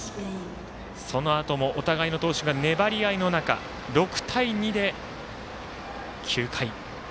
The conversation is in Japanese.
そのあともお互いの投手が粘り合いの中６対２で９回。